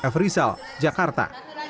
f rizal jakarta